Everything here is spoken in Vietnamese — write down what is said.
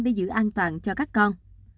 để giữ an toàn cho các con